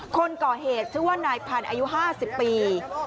คนก่อเหตุชื่อว่านายพันธุ์อายุ๕๐ปี